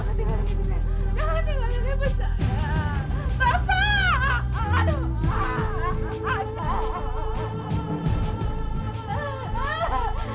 nanti kalau ada orang yang beli suruh ngambil aja